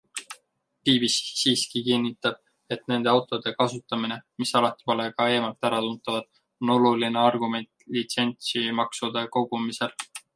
BBC siiski kinnitab, et nende autode kasutamine, mis alati pole ka eemalt äratuntavad, on oluline argument litsentsimaksude kogumisel.